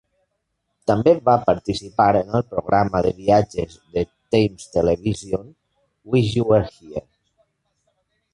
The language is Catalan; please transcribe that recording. També va participar en el programa de viatges de Thames Television "Wish You Were Here...?".